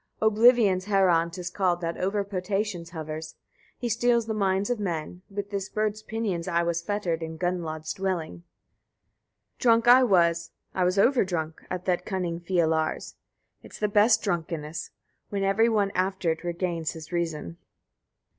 13. Oblivion's heron 'tis called that over potations hovers; he steals the minds of men. With this bird's pinions I was fettered in Gunnlods dwelling. 14. Drunk I was, I was over drunk, at that cunning Fialar's. It's the best drunkenness, when every one after it regains his reason.